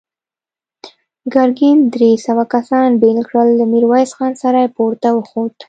ګرګين درې سوه کسان بېل کړل، له ميرويس خان سره پورته وخوت.